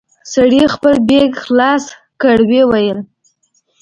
سړي خپل بېګ خلاص کړ ويې ويل.